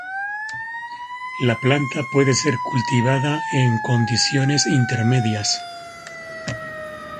La planta puede ser cultivada en condiciones intermedias.